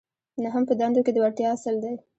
نهم په دندو کې د وړتیا اصل دی.